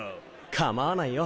構わないよ。